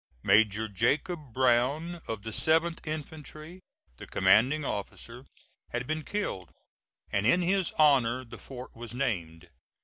Major Jacob Brown, of the 7th infantry, the commanding officer, had been killed, and in his honor the fort was named.